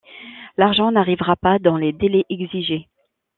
L'argent n'arrivera pas dans les délais exigés.